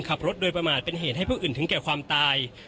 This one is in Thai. ขับรถโดยประมาทเป็นเหตุให้ผู้อื่นถึงแก่ความตาย